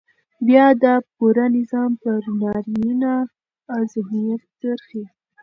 بيا دا پوره نظام پر نارينه ذهنيت څرخي.